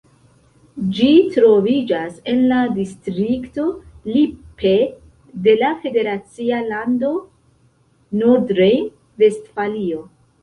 Ĝi troviĝas en la distrikto Lippe de la federacia lando Nordrejn-Vestfalio.